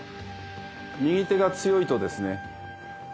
右手が強いとですね